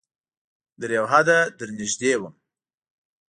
تر یو حده درنږدې وم